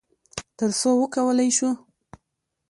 تر څو وکولی شو،